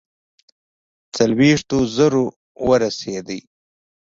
څلوېښتو زرو ورسېدی.